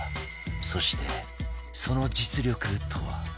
そしてその実力とは？